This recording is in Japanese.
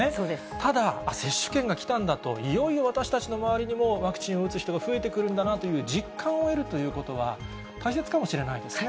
ただ、接種券が来たんだと、いよいよ私たちの周りにもワクチンを打つ人が増えてくるんだなという実感を得るということは、大切かもしれないですね。